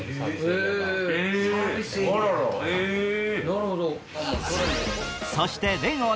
なるほど。